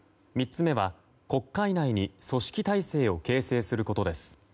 ３つ目は、国会内に組織体制を形成することです。